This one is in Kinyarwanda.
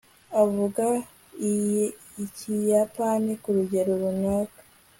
avuga ikiyapani ku rugero runaka